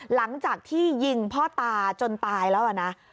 หลังจากที่ยิงพ่อตาจนตายแล้วนะ